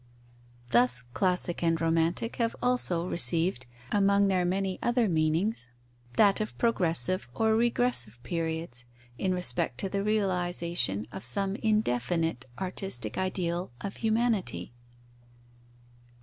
Thus classic and romantic have also received, among their many other meanings, that of progressive or regressive periods, in respect to the realization of some indefinite artistic ideal of humanity.